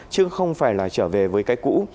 chứ không phải là trở về với cái cũ